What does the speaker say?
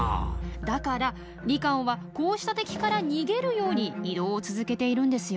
だからリカオンはこうした敵から逃げるように移動を続けているんですよ。